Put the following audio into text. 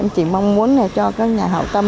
em chỉ mong muốn là cho các nhà hậu tâm